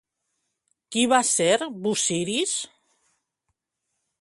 Qui va ser Busiris?